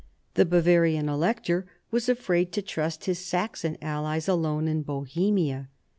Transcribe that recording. The Bavarian Elector was afraid to trust his Saxon allies alone in Bohemia.